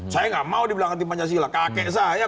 saya gak mau dibilangkan di pancasila kakek saya